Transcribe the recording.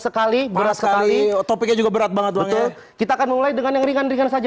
sekali berat sekali topiknya juga berat banget betul kita akan mulai dengan yang ringan ringan saja